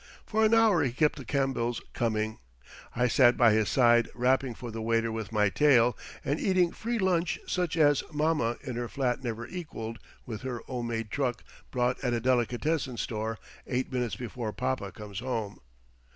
For an hour he kept the Campbells coming. I sat by his side rapping for the waiter with my tail, and eating free lunch such as mamma in her flat never equalled with her homemade truck bought at a delicatessen store eight minutes before papa comes home.